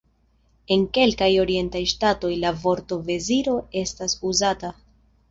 En kelkaj orientaj ŝtatoj la vorto "veziro" estas uzata.